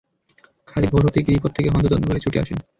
খালিদ ভোর হতেই গিরিপথ থেকে হন্তদন্ত হয়ে ছুটে আসেন।